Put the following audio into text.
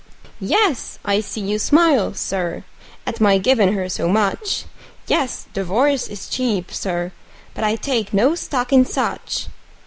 Yes, I see you smile, Sir, at my givin' her so much; Yes, divorce is cheap, Sir, but I take no stock in such!